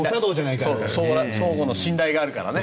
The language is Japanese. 相互の信頼があるからね。